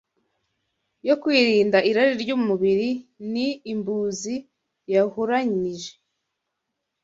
yo kwirinda irari ry’umubiri ni imbuzi yahuranije